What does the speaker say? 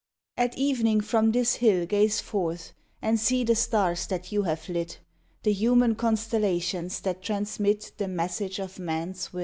At evening from this hill Gaze forth, and see the stars that you have lit The human constellations that transmit The message of man s will.